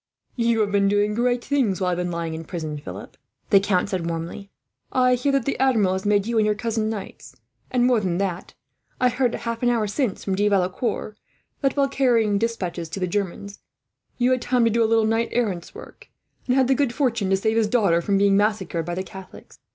"You have been doing great things, while I have been lying in prison, Philip," the count said warmly. "I hear that the Admiral has made you and my cousin knights; and more than that, I heard half an hour since from De Valecourt that, while carrying despatches to the Germans, you had time to do a little knight errant's work, and had the good fortune to save his daughter from being massacred by the Catholics.